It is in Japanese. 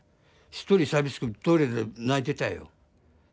一人寂しくトイレで泣いてたよ。